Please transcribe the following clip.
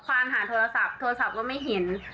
ความหาโทรศัพท์โทรศัพท์ก็ไม่เห็น